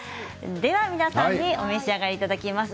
皆さんにお召し上がりいただきます。